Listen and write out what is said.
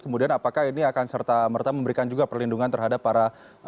kemudian apakah ini akan serta merta memberikan juga perlindungan terhadap para